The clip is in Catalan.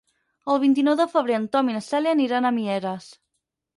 El vint-i-nou de febrer en Tom i na Cèlia aniran a Mieres.